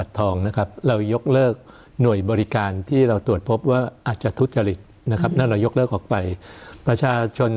สนับสนุนโดยพี่โพเพี่ยวสะอาดใสไร้คราบ